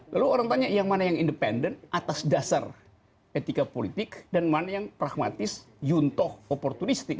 lalu orang tanya yang mana yang independen atas dasar etika politik dan mana yang pragmatis yuntoh oportunistik